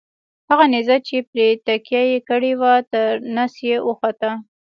هغه نیزه چې پرې تکیه یې کړې وه تر نس یې وخوته.